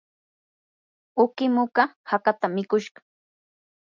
uqi muka hakatam mikushqa.